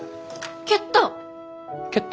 蹴った。